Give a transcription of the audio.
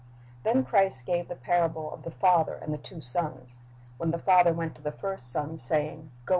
Then Christ gave the parable of the father and the two sons. When the father went to the first son, saying, "Go ijohn 1 : 29 2iv[att.